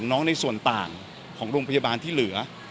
ในส่วนต่างของโรงพยาบาลที่เหลือ